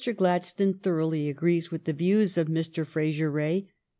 Gladstone thoroughly agrees with the views of Mr. Fraser Rae.